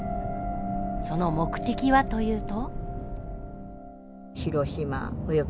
その目的はというと。